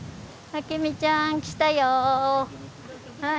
明美ちゃん来たよ。